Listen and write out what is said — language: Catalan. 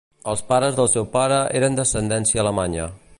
Els pares del seu pare eren d'ascendència alemanya.